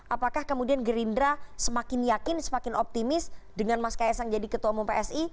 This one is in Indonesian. apakah kemudian gerindra semakin yakin semakin optimis dengan mas kaisang jadi ketua umum psi